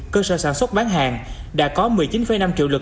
cơ sở sản xuất bán hàng đã có một mươi chín năm triệu lực